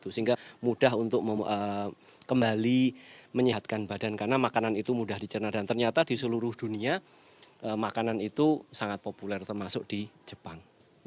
sehingga mudah untuk kembali menyehatkan badan karena makanan itu mudah dicerna dan ternyata di seluruh dunia makanan itu sangat populer termasuk di jepang